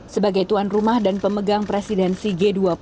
sebagai tuan rumah dan pemegang presidensi g dua puluh